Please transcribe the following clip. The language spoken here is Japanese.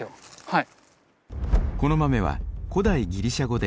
はい。